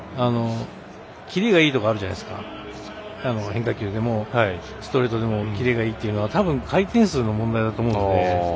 キレがいいとかあるじゃないですか、変化球でもストレートもキレがいいというのはたぶん回転数の問題だと思うので。